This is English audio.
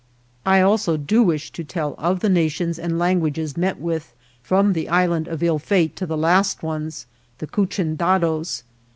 I ALSO do wish to tell of the nations and languages met with from the Is land of Ill Fate to the last ones, the Cuchendados.